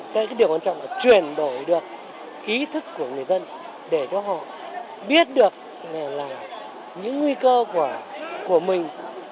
cái điều quan trọng là chuyển đổi được ý thức của người dân để cho họ biết được là những nguy cơ của mình